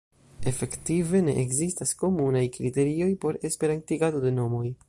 Efektive ne ekzistas komunaj kriterioj por esperantigado de nomoj.